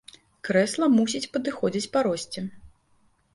Крэсла мусіць падыходзіць па росце.